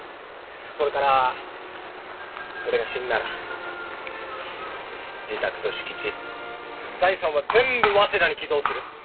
それから俺が死んだら自宅と敷地財産は全部早稲田に寄贈する！